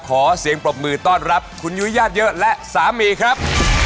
ขอเสียงปรบมือต้อนรับคุณยุ้ยญาติเยอะและสามีครับ